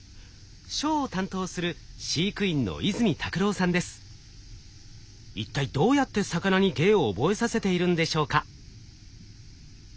ショーを担当する飼育員の一体どうやって魚に芸を覚えさせているんでしょうか？